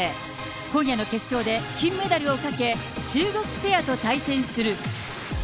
今夜の決勝で金メダルをかけ、中国ペアと対戦する。